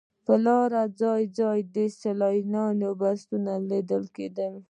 پر لاره ځای ځای د سیلانیانو بسونه لیدل کېدل.